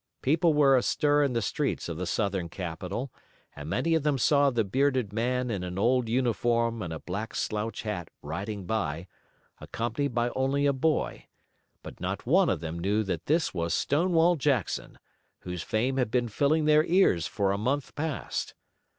People were astir in the streets of the Southern capital, and many of them saw the bearded man in an old uniform and a black slouch hat riding by, accompanied by only a boy, but not one of them knew that this was Stonewall Jackson, whose fame had been filling their ears for a month past.